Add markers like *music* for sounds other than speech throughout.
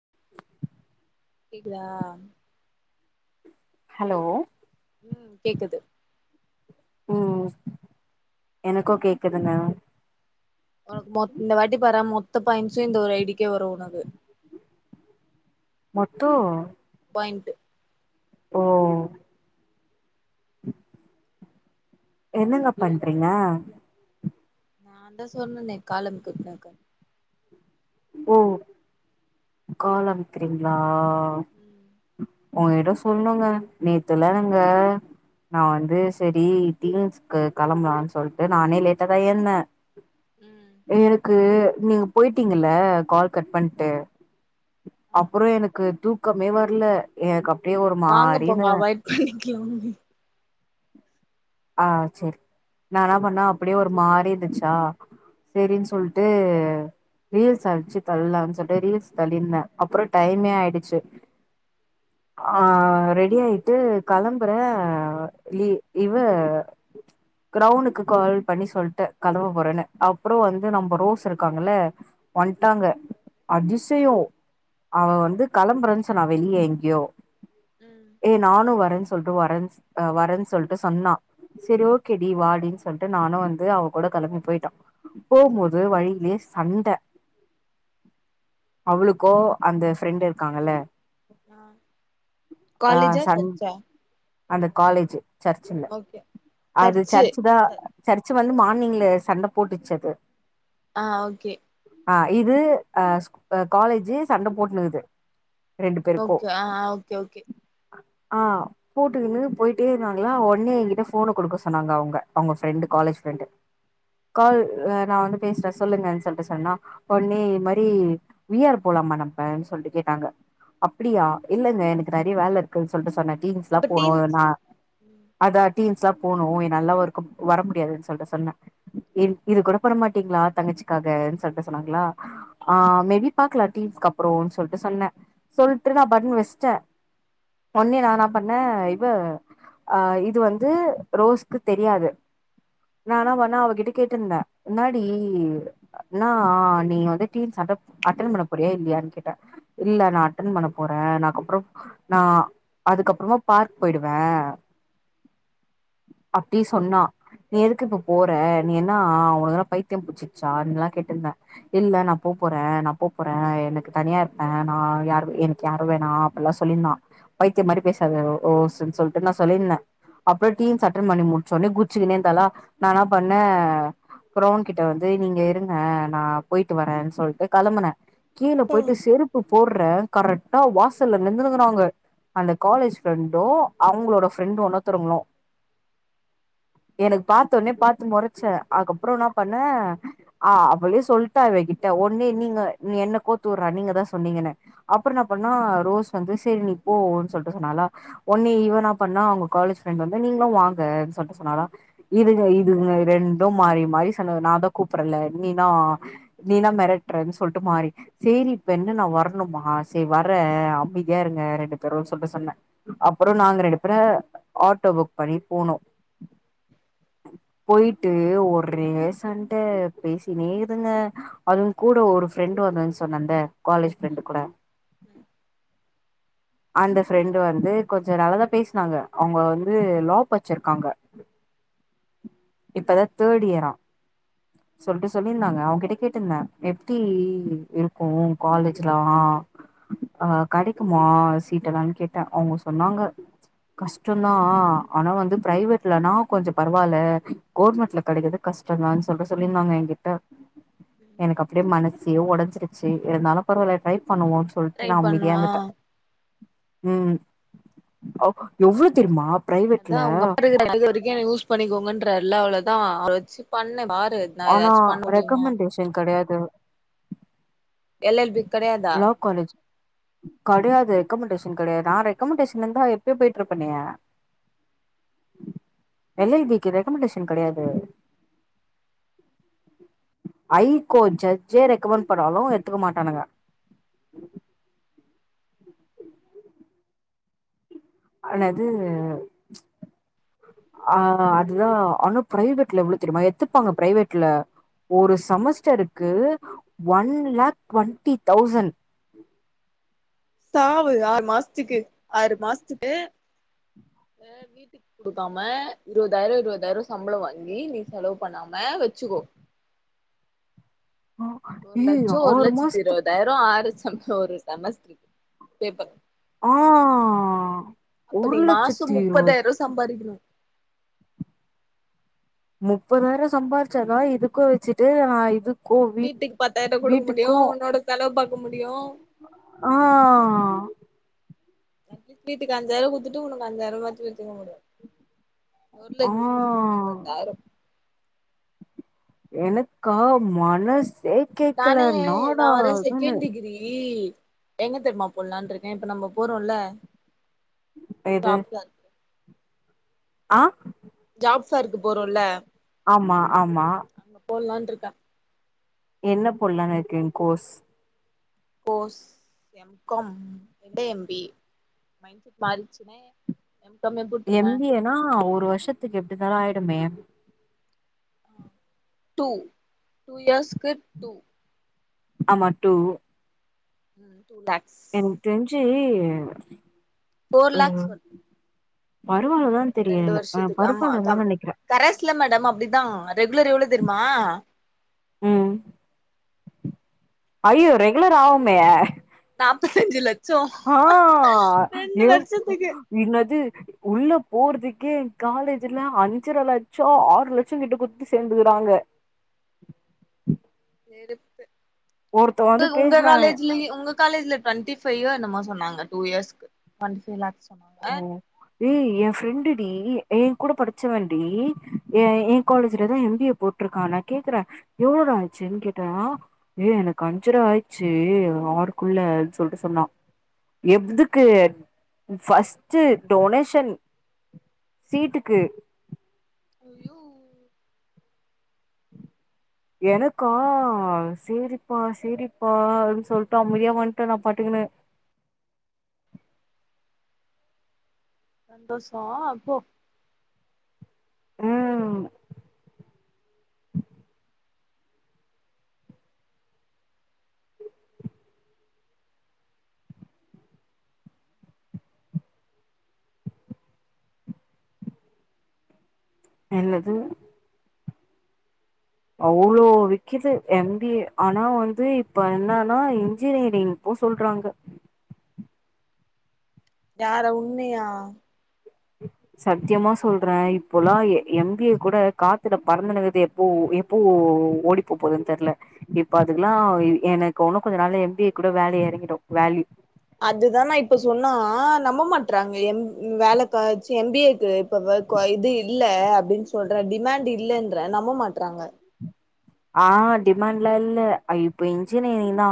உம் கேக்குதா ஹலோ ம் கேக்குது ம் எனக்கு கேக்குதுங்க ஒனக்கு மொத் இந்த வாட்டி பாரே மொத்த பாய்ண்ட்சூ இந்த ஒரு ஐடிக்கே வரும் ஒனக்கு மொத்தோ பாயிண்ட்டு ஓ உம் என்னங்க பண்றிங்க நான் தா சொன்னன்னே காலு அமிக்கிவுட்னேக்கா ஓ கால் அமிக்கிறீங்களா ம் ஒங்ககிட்டோ சொல்லணுங்க நேத்துலா நாங்க நான் வந்து செரி தீம்ஸ்க்கு கிளம்பலான்னு சொல்லிட்டு நானே லேட்டா தா எழ்ந்தே ம் எனக்கு நீங்க போயிட்டீங்கல்ல கால் கட் பண்ட்டு அப்புறோ ஆமா எனக்கு தூக்கமே வரல எனக்கு அப்டியே ஒரு மாரி இருந்தன படிக்காமலே ஆ செரி நா என்ன பண்ணே அப்டியே ஒரு மாரி இருந்துச்சா சேரின்னு சொல்ட்டு ரீல்ஸ் அடுச்சு தள்ளலாம்னு சொல்லிட்டு ரீல்ஸ் தள்ளியிருந்தே அப்புறோ டைமே ஆயிடுச்சு ஆ ம் ரெடி ஆயிட்டு கெளம்புறே இ ஈவ் *unintelligible* கிரௌண்க்கு கால் பண்ணி சொல்லிட்டே கெளம்ப போறேன்னு அப்புறோ வந்து நம்ம ரோஸ் இருக்காங்கல்ல வன்ட்டாங்க அதிசயோ அவ வந்து கெளம்பறன்னு சொன்ன வெளிய எங்கியோ ம் ஏய் நானு வரேன்னு சொல்ட்டு வரேன்ஸ் அ வரேன் சொல் என்கிட்ட சொன்னா செரி ஓகே வா வாடின்னு சொல்லிட்டு நானு வந்து அவ கூட கெளம்பி போயிட்ட போம்போது வழியிலே சண்ட அவளுக்கோ அந்த ஃப்ரெண்ட் இருக்காங்கல்ல ஆ ஆ காலேஜா சண் சர்ச்சா அந்த காலேஜு சர்ச்சுல ஓகே அது சர்ச்சு தா சர்ச்சு வந்து மார்னிங்ல சண்ட போட்டுச்சு அது ஆ ஓகே ஆ இது ஆ காலேஜு சண்ட போட்டுனுக்குது ரெண்டு பேருக்கு ஓகே ஆ ஓகே ஓகே ஆ போட்டுக்குனு போயிட்டே நாங்கள்ளா ஒடனே என்கிட்ட ஃபோனை குடுக்க சொன்னாங்க அவுங்க அவுங்க ஃப்ரெண்டு காலேஜ் ஃப்ரெண்டு கால் ஆ நா வந்து பேசுறே சொல்லுங்கன்னு சொல்லிட்டு சொன்னனா ஒடனே இது மாரி வி ஆர் போலாமா நம்ப சொல்ட்டு கேட்டாங்க அப்டியா இல்லங்க எனக்கு நறையா வேலை இருக்குன்னு சொல்ட்டு சொன்னே டீன்ஸ் எல்லா அப்ப போணு டீன் நா ம் அதா டீன்ஸ் எல்லா போணு என்னாலல்லா ஒருக்கப் வர முடியாதுன்னு சொல்ட்டு சொன்னே இத் இது கொட பண்ண மாட்டீங்ளா தங்கச்சிக்காக்ன் சொல்ட்டு சொன்னாங்ளா ஆ மேபி பாக்லா டீன்ஸ்க் அப்புறோன் சொல்ட்டு சொன்ன சொல்ட்டு நா பட்னு வெச்ட்ட ஒன்னே நா இன்னா பண்ண இவ அ இது வந்து ரோஸ்க்கு தெரியாது நா இன்னா பண்ணா அவகிட்ட கேட்டுந்த என்னாடி நா ஆ நீ வந்து டீன்ஸ் சட்டப் அட்டன் பண்ண போறியா இல்லியான் கேட்ட இல்ல நா அட்டன் பண்ண போறே நாக் அப்றோ நா அதுக்கப்றமா பார்க் போய்டுவ அப்டி சொன்னா நீ எதுக்கு இப்ப போற நீ என்னா ஒனக்கன்ன பைத்தியம் புட்ச்சிச்சான்லா கேட்டுந்த இல்ல நா போ போற நா போ போற எனக்கு தனியா இருப்ப நா யாருகு என் யாரு வேணா அப்டில்லா சொல்லிருந்தா பைத்தியம் மாரி பேசாத ஓ ஓசுனு சொல்லிட்டு நா சொல்லிருந்தே அப்ற டீன்ஸ் அட்டன் பண்ணி முடிச்சோனே குத்ச்சுகுனே இந்தளா நா என்னா பண்ண க்ரௌன் கிட்ட வந்து நீங்க இருங்க நா போயிட்டு வரன் சொல்ட்டு களம்புன கீழ பொய்ட்டு ம் செருப்பு போட்ற கரட்டா வாசல்ல நின்னுங்குறாங்க அந்த காலேஜ் ஃப்ரெண்டு அவுங்ளோட ஃப்ரெண்டு ஒன்னொத்தருங்ளு எனக்க பாத்தோனே பாத்து மொறைச்ச அக்கப்றோ இன்னா பண்ண அ அவளே சொல்ட்டா இவகிட்ட ஒன்னே நீங்க நீ என்ன கோத்து உற்றா நீங்கதா சொன்னீங்கன்னு அப்புற இன்னா பண்ணா ரோஸ் வந்து சேரி நீ போன் சொல்ட்டு சொன்னாலா ஒன்னே இவ இன்னா பண்ணா அவ்ங்கோ காலேஜ் ஃப்ரெண்ட் வந்து நீங்ளு வாங்கன் சொல்ட்டு சொன்னாலா இதுங்க இதுங்க ரெண்டு மாறி மாறி சொன்ன நாதா கூப்புறல்ல நீதா நீ என்னா மெரட்றன்னு சொல்ட்டு மாரி சேரி இப்ப என்ன நா வரணுமா சே வர்ற அமைதியா இருங்க ரெண்டு பேரு சொல்ட்டு சொன்ன அப்புறோ நாங்க ரெண்டு பேரு ஆட்டோ ஃபுக் பண்ணி போனோ பொய்ட்டு ஒரே சண்ட பேசினே இக்துங்க அதுங்கூட ஒரு ஃப்ரெண்டு வந்துதுன் சொன்னன்த காலேஜ் ஃப்ரெண்டு கூட ம் அந்த ஃப்ரெண்டு் வந்து கொஞ்ச நல்லதா பேஸ்னாங்க அவுங்க வந்து லா பச்சிர்க்காங்க இப்பதா தேர் இயரா சொல்ட்டு சொல்லிருந்தாங்க அவுங்கிட்ட கேட்டுந்த எப்டி இருக்கு காலேஜ்லா அ கடைக்குமா சீட் எல்லான் கேட்ட அவுங்க சொன்னாங்க கஸ்ட்டோந்தா ஆனா வந்து பிரைவேட்லனா கொஞ்ச பரவால கேர்மட்ல கடக்கற்து கஸ்ட்டங்கான் சொல்ட்டு சொல்லிர்ந்தாங்க ஏங்கிட்ட ம் எனக்கு அப்புடே மனசே ஓடஞ்சிருச்சி இருந்தாலு பரவால்ல ட்ரை பண்ணுவோ சொல்ட்டு ட்ரை நா பண்ணுவா அமைதியாந்துட்ட ம் அவ் எவ்ளோ தெரிமா அதா அவங்க *unintelligible* வரிக்கு என்ன யூஸ் பண்ணிக்கோங்கன்றார்ல அவ்ளோதா அவ்ர வச்சு பண்ணு பாரு நா ஆனா ஏதாச்சு பண்ண முடியுமா ரெக்கமன்டேஷன் கடையாது எல் எல் பிக் கடையாத் லா காலேஜ் கடயாது ரெக்கமண்டேஷன் கடையாது நா ரெக்கமண்டேஷன் இருந்தா எப்யோ பேயிட்ருப்பனே எல் எல் பிக்கு ரெக்கமண்டேஷன் கெடையாது ஐகோட் ஜட்ஜே ரெக்கமெண்ட் பண்ணாலு எடுத்துக்க மாட்டானுங்க அன்னது ஆ அதுதா ஆனு பிரைவேட்ல எவ்ள தெரிமா எத்துப்பாங்க பிரைவேட்ல ஒரு செமஸ்டருக்கு ஒன் லாக் ட்வெண்ட்டி தௌசண்ட் சாவு ஆறு மாசத்துக்கு ஆறு மாசத்துக்கு சார் வீட்டுக் குடுக்காம இருவதாயிரோ இருவதாயிரோ சம்பளம் வாங்கி நீ செலவு பண்ணாம வெச்சுக்கோ ஆ ஒரு ஏய் லட்சோ ஒரு லட்சத்தி மாசத்து இருபதாய்ரோ ஆறு சம ஒரு செமஸ்டர் பேப்பர் ஆ அப்ப நீ மாசம் முப்பதாயிர்வா சம்பாரிக்ணு முப்பதாயிரோ சம்பாரிச்தாகா இதுக்கு வெச்சுட்டு நா இது வீட்டுக் பத்தாயிரோ குடுக்க முடியு உன்னோட செலவு பாக்க முடியு ஆஹ் வீட்டுக் அஞ்சாயிரோ குடுத்துட்டு உனக்கு அஞ்சாயிரமாச்சு வெச்சிக்க முடியு ஆ பத்தாயிரோ எனக்கா மனசே கேக்கல நானே நா வேற நாடாதுன்னு செகண்ட் டிகிரி எங்க தெர்மா போலான் இருக்க இப்ப நம்பா போறோல்ல எது ஆ ஜாப் சார்க்கு போறோல்ல ஆம்மா ஆம்மா போல்லான்ட்டு இருக்க என்ன போல்லான்னு இருக்க கோர்ஸ் கோர்ஸ் எம் காம் எ ம் ஏ மாரிச்சின கம்மியா குடுத் எம் பி ஏ னா ஒரு வருஷத்துக்கு எப்டிந்தாலு ஆயிடுமே டூ டூ இயர்ஸ்க்கு ஆமா டூ தேங்ஸ் எனக் தெரிஞ்சி ஃபோர் லேக்ஸ் ம் வருது வருவாங்கதா ரெண்டு தெரியலப்பா வருஷத்துக்கு ஆமா பருப்பாணோ தா கம் நெனைக்ற கரஸ்ல மேடம் அப்டிதா ரெகுலர் எவ்ளோ தெரிமா ம் ஐயோ ரெகுலர் ஆவுமே நாப்பத்தஞ்சு லட்சோ ஆ ரெண்டு ஏ வருசத்துக்கு என்னது உள்ள போற்துகே காலேஜ்ல அஞ்சர லட்சோ ஆறு லட்சோ கிட்ட குத்துடு சேந்துக்றாங்க ஒருத்தவ உங் வந்து உங்க பேசுறா காலேஜ்ல உங்க எங் காலேஜ்ல டுவெண்டி பைவ்யோ என்னமோ சொன்னாங்க டூ இயர்ஸ் டுவெண்டி லேக்ஸ் சொன்னாங்க ஏ எ ஃப்ரெண்டு டி ஏ கூட படிச்சவ டி எ எ காலேஜல தா எம் பி ஏ போட் ட்ருக்கா நா கேக்குற எவ்ளோ டா ஆச்சின் கேட்டனா ஏ எனக் அஞ்சர ஆயிச்சி ஆறுக்குள்ள சொல்ட்டு சொன்னா எப்துக்கு ஃபஸ்ட் ஃபஸ்ட்டு டொனேஷன் சீட்டுக்கு அய்யோ எனக்கா செரிபா செரிபா அப்டி சொல்ட்டு அம்தியா வண்ட நா பாட்டுக்ணு சந்தோஷோ போ ம் என்னது அவ்ளோ விக்கிது எம் ‌பி ஏ‌ ஆனா வந்து இப்ப என்னன்னா இன்ஜினியரிங் போ சொல்றாங்க யார உண்ணியா சத்யமா சொல்ற இப்போலா எம் பி ஏ கூட காத்துல பரந்துனுகுது ஓ எப்போ ஓடி போ போது தெர்ல இப்ப அதுக்கல்லா எனக் உண்ணு கொஞ்ச நாள் எம் பி‌ ஏ‌ கூட வேலி எறங்கிடு வேல்யூ அதுதா நா இப்ப சொன்னா நம்ப மாட்றாங்க எம் வேல காச்சு எம் பி ஏக்கு இப்ப க இது இல்ல அப்டின் சொல்ற டிமேண்ட் இல்லன்ற நம்ப மாட்றாங்க ஆ டிமேண்ட்லா இல்ல ஆ இப் இன்ஜினியரிங் தா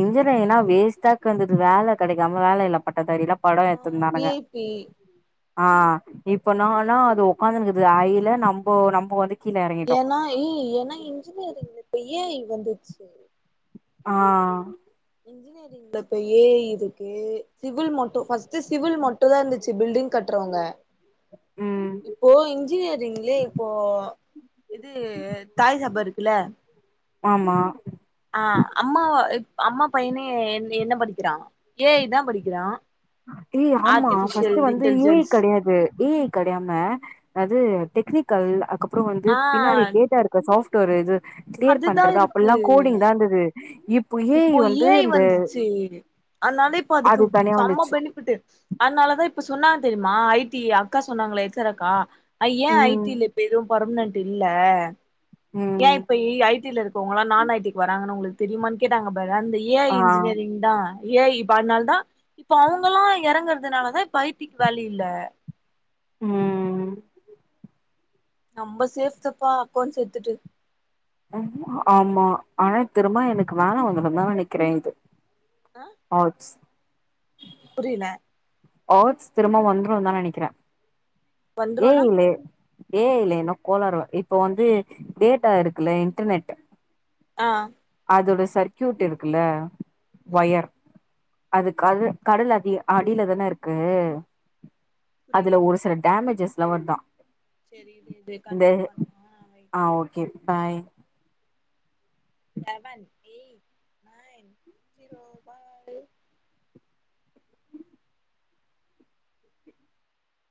இன்ஜினியர்ன்னா வேஸ்ட்டாக் வந்தது வேல கெடைக்காம வேலையில்லா பட்ட தாரிலா படோ ஆ வி எத்துந்தானுங்க ஐ பி ஆ இப்ப நான்னா அது உக்காந்துன்குது ஐல நம்போ நம்போ வந்து கீழ எறங்கிட்டோ ஏனா ஏய் ஏனா இன்ஜினிரிங்ல இப்ப ஏ ஐ வந்துச்சு ஆ ஆ இன்ஜினிரிங்ல இப்ப ஏ ஐ இருக்கு சிவில் மட்டு ஃபஸ்ட் சிவில் மட்டும் தான் இருந்துச்சு பில்டிங் கட்டுறவங்க ம் இப்போ இன்ஜினியரிங்லே இப்போ இது தாய் ஜபர் இருக்குல ஆமா ஆ அம்மா அம்மா பையனே என் என்ன படிக்கிறான் ஏ ஐ இதான் படிக்கிறான் ஏய் ஆமா ஃபஸ்ட் வந்து ஏ ஜ இன்டெலிஜென்ஸ் கிடையாது ஏ இ கிடையாம அது டெக்னிக்கல் அதுக்கப்பறோ வந்து ஆ பின்னாடி டேட்டா இருக் சாஃப்ட்வர் இது கிளியர் அதுதா பண்றது இருக்கு அப்பல்லாம் கோடிங் தான் இருந்தது ஏ ஐ இப்போ வந்து ஏய் இந்த வந்துச்சு அதனால இப்ப அதுக்கு அது தனியா செம வந்துச்சு பெனிஃபிட்டு் அதனாலதான் இப்ப சொன்னாங்க தெரியுமா ஐ டி அக்கா சொன்னாங்களே எக்ஸரக்கா ஐ ஏன் ஐ ம் டி ல இப்ப எதுவும் பர்மனன்ட் இல்ல ஏன் ம் இப்ப ஐ டில இருக்கவங்களல்லா நான் ஐ டிக்கு வராங்கன்னு உங்களுக்கு தெரியுான்னு கேட்டாங்க பாரு அந்த ஏ ஐ ஆ இன்ஜினியரிங் அதா ஏ ஐ இப்ப அதனால தான் இப்ப அவங்கல்லாம் இறங்கறதுனாலதான் இப்ப ஐ டிக்கு வேல்யூ இல்ல ம் ம் நம்ப சேஃப்தப்பா அக்கௌண்ட்ஸ் சேத்துட்டு அம்மா அம்மா திரும்ப எனக்கு வேல வந்த மேர் தான் நெனைக்கிறேன் இது ஆ அவுட்ஸ் புரில ஓட்ஸ் திரும்ப வந்துரும் தான் நினைக்கிறேன் ஏ வந்துருனா ஜ ல ஏ ஐ ல இன்னும் கோலறுவ இப்ப வந்து டேட்டா இருக்குல்ல இன்டர்நெட் ஆ அதோட சர்க்கயூட் இருக்குல ம் வயர் அது கடல் அதி கடல் அடியில தானே இருக்கு புரியல அதுல ஒரு சில டேமேஜஸ்ல்லாம் வருதா சேரி இரு இரு இந்த கன்டிநியூ பண்ற விடு ஆ okay bye seven eight nine zero பாய்